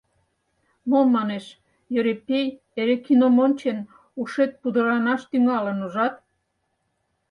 — Мо, — манеш, — Йӧрепей, эре кином ончен, ушет пудыранаш тӱҥалын, ужат?